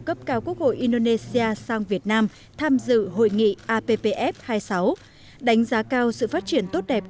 cấp cao quốc hội indonesia sang việt nam tham dự hội nghị ippf hai mươi sáu đánh giá cao sự phát triển tốt đẹp